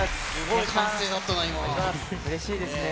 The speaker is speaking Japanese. うれしいですね。